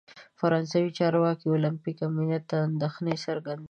فرانسوي چارواکي د اولمپیک امنیت ته اندیښنه څرګندوي.